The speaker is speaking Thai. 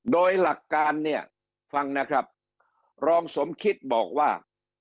โดยหลักการเนี่ยฟังนะครับรองสมคิดบอกว่า